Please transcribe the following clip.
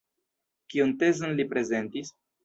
Kiun tezon li prezentis?